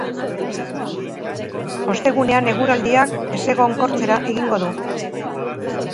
Ostegunean eguraldiak ezegonkortzera egingo du.